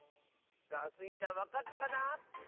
さあスイちゃんわかったかな？